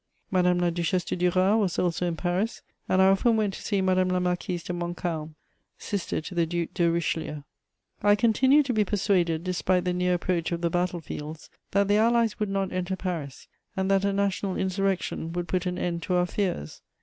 Madame la Duchesse de Duras was also in Paris, and I often went to see Madame la Marquise de Montcalm, sister to the Duc de Richelieu. I continued to be persuaded, despite the near approach of the battle fields, that the Allies would not enter Paris and that a national insurrection would put an end to our fears.